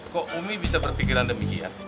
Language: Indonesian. kok umi bisa berpikiran demikian